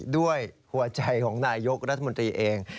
ด้วยหัวใจของนายยกรัฐมนตรีเอง